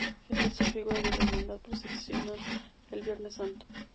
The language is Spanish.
Estas tres figuras de la hermandad procesionan el Viernes Santo.